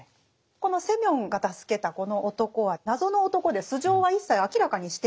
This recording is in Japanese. このセミヨンが助けたこの男は謎の男で素性は一切明らかにしていないんですね。